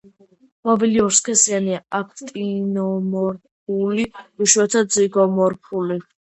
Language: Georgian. ყვავილი ორსქესიანია, აქტინომორფული, იშვიათად ზიგომორფული.